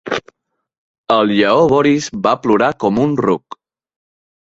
El lleó Boris va plorar com un ruc.